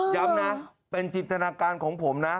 ย้ำนะเป็นจิตนาการของผมนะ